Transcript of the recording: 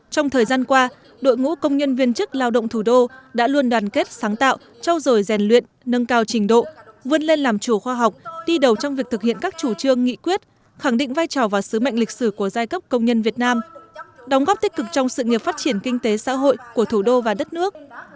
trong thời gian qua đội ngũ công nhân viên chức lao động thủ đô đã luôn đoàn kết sáng tạo trao dồi rèn luyện nâng cao trình độ vươn lên làm chủ khoa học đi đầu trong việc thực hiện các chủ trương nghị quyết khẳng định vai trò và sứ mệnh lịch sử của giai cấp công nhân việt nam đóng góp tích cực trong sự nghiệp phát triển kinh tế xã hội của thủ đô và đất nước